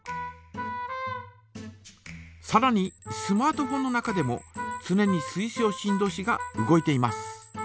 さらにスマートフォンの中でもつねに水晶振動子が動いています。